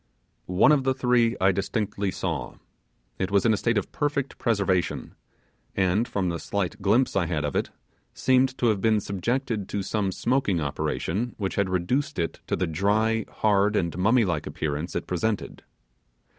One of the three I distinctly saw. It was in a state of perfect preservation, and from the slight glimpse I had of it, seemed to have been subjected to some smoking operation which had reduced it to the dry, hard, and mummy like appearance it presented.